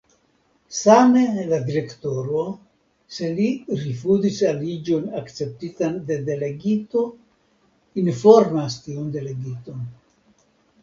Same la Direktoro, se li rifuzis aliĝon akceptitan de Delegito, informas tiun Delegiton.